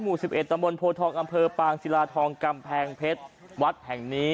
หมู่๑๑ตะมลโพทองอำเฟอร์ปางซีลาทองกำแพงเพชรวัดแห่งนี้